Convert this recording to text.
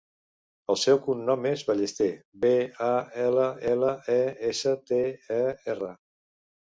El seu cognom és Ballester: be, a, ela, ela, e, essa, te, e, erra.